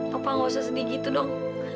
papa gak usah sedih gitu dong